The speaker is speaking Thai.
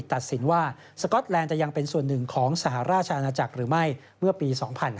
ตัดสินว่าสก๊อตแลนด์จะยังเป็นส่วนหนึ่งของสหราชอาณาจักรหรือไม่เมื่อปี๒๕๕๙